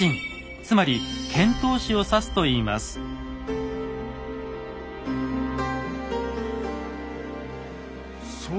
つまり遣唐使を指すといいます。